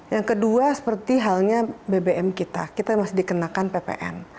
yang kedua seperti halnya bbm kita kita masih dikenakan ppn